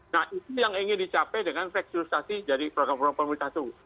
nah itu yang ingin dicapai dengan reksudisasi dari program program pemerintah itu